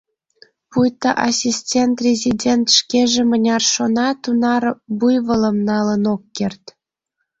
Пуйто ассистент-резидент шкеже мыняр шона, тунар буйволым налын ок керт!..